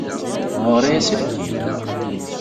Ɣur-i aselkim.